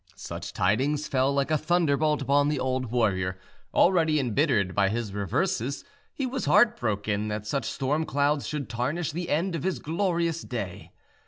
Such tidings fell like a thunderbolt upon the old warrior, already embittered by his reverses: he was heart broken that such storm clouds should tarnish the end of his glorious day.